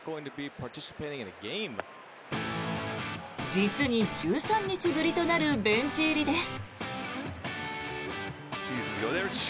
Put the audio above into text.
実に１３日ぶりとなるベンチ入りです。